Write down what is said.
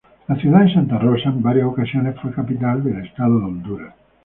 La ciudad de Santa Rosa, en varias ocasiones, fue capital del Estado de Honduras.